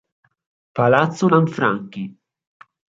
Palazzo Lanfranchi